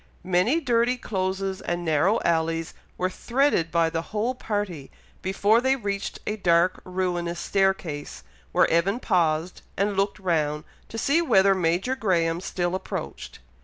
Many dirty closes and narrow alleys were threaded by the whole party, before they reached a dark ruinous staircase, where Evan paused and looked round, to see whether Major Graham still approached.